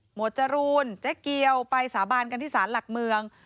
วดจรูนเจ๊เกียวไปสาบานกันที่ศาลหลักเมือง